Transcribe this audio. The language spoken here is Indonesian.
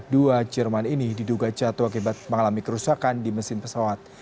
dua jerman ini diduga jatuh akibat mengalami kerusakan di mesin pesawat